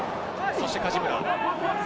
そして梶村。